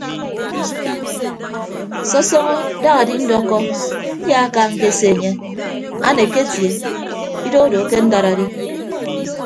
Sọsọñọ daña adindọkọ nyaaka ñkese enye aneke atie idoho odo akendad adi.